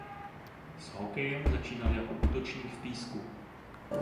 S hokejem začínal jako útočník v Písku.